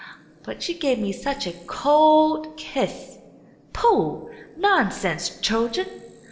But she gave me such a cold kiss!" "Pooh, nonsense, children!"